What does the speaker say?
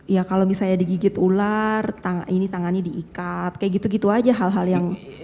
ya kalau misalnya digigit ular ini tangannya diikat kayak gitu gitu aja hal hal yang